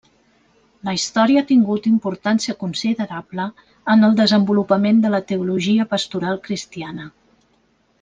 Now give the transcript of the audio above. La història ha tingut importància considerable en el desenvolupament de la teologia pastoral cristiana.